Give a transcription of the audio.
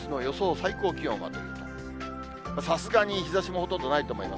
最高気温はというと、さすがに日ざしもほとんどないと思います。